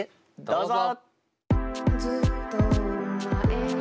どうぞ。